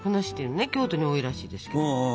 京都に多いらしいですけど。